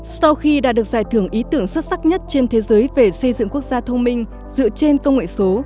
sau khi đã được giải thưởng ý tưởng xuất sắc nhất trên thế giới về xây dựng quốc gia thông minh dựa trên công nghệ số